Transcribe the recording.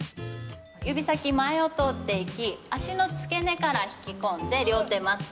指先、前を通っていき、足の付け根から引き込んで両手マット。